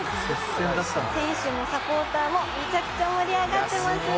「選手もサポーターもめちゃくちゃ盛り上がってますね」